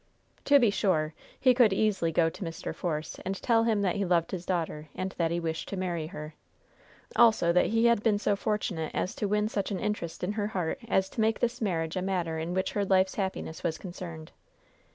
To be sure, he could easily go to Mr. Force and tell him that he loved his daughter, and that he wished to marry her; also that he had been so fortunate as to win such an interest in her heart as to make this marriage a matter in which her life's happiness was concerned.